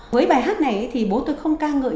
với bài hát này thì bố tôi không ca ngợi